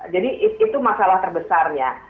jadi itu masalah terbesarnya